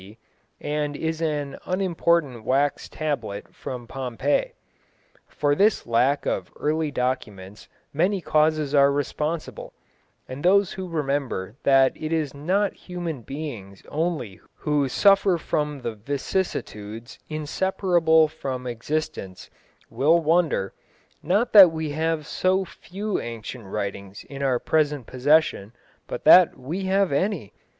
D., and is an unimportant wax tablet from Pompeii. For this lack of early documents many causes are responsible, and those who remember that it is not human beings only who suffer from the vicissitudes inseparable from existence will wonder, not that we have so few ancient writings in our present possession, but that we have any.